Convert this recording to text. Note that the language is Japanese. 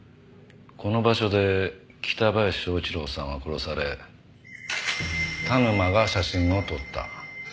この場所で北林昭一郎さんは殺され田沼が写真を撮った。